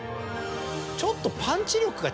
ちょっと。